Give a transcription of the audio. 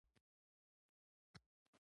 د نظر اختلاف طبیعي دی.